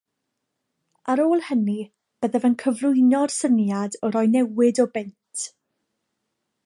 Ar ôl hynny byddaf yn cyflwyno'r syniad o roi newid o bunt